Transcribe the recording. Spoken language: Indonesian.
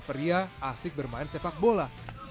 pria asik bermain sepak bola